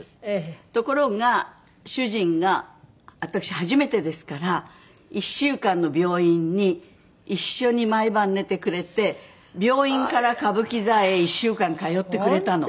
ところが主人が私初めてですから１週間の病院に一緒に毎晩寝てくれて病院から歌舞伎座へ１週間通ってくれたの。